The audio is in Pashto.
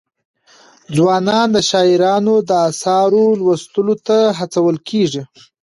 ځوانان د شاعرانو د اثارو لوستلو ته هڅول کېږي.